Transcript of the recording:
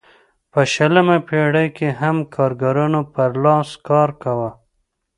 په شلمه پېړۍ کې هم کارګرانو پر لاس کار کاوه.